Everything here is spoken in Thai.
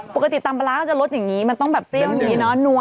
ปกติตำปลาร้าก็จะรสอย่างนี้มันต้องแบบเปรี้ยวดี